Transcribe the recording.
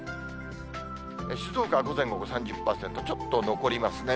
静岡は午前、午後、３０％、ちょっと残りますね。